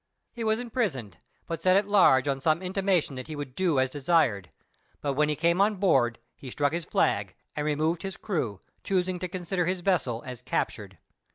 He was imprisoned, but set at large on some intimation that he would do as desired, but when he came on board, he struck his flag, and removed his crew, choosing to consider his vessel as captured.